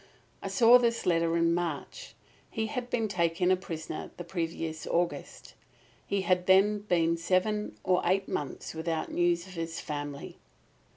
I saw this letter in March. He had been taken a prisoner the previous August. He had then been seven or eight months without news of his family.